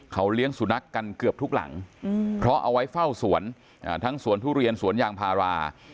เขาเลี้ยงสุนัขกันเกือบทุกหลังเพราะเอาไว้เฝ้าสวนทั้งสวนทุเรียนสวนยางพารา